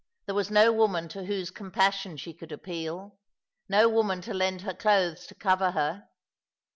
There was no woman to whose compassion she could appeal, no woman to lend her clothes to cover her.